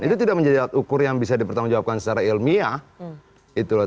itu tidak menjadi alat ukur yang bisa dipertanggungjawabkan secara ilmiah